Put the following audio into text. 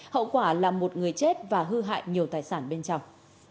hậu quả là một người chết và hư hại nhiều tài sản bên trong